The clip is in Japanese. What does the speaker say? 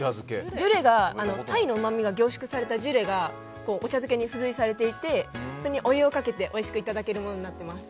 鯛のうまみが凝縮されたジュレがお茶漬けに付随されていてお湯をかけておいしくいただけるものになっています。